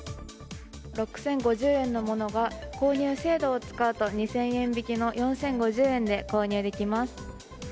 ６０５０円のものが購入制度を使うと２０００円引きの４０５０円で購入できます。